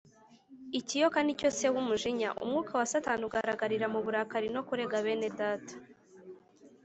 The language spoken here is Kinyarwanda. ikiyoka nicyo se w’umujinya; umwuka wa satani ugaragarira mu burakari no kurega bene data